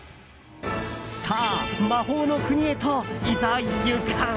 さあ、魔法の国へといざ行かん！